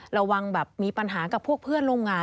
ระวังแบบมีปัญหากับพวกเพื่อนร่วมงาน